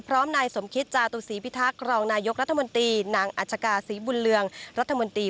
นายสมคิตจาตุศีพิทักษ์รองนายกรัฐมนตรีนางอัชกาศรีบุญเรืองรัฐมนตรี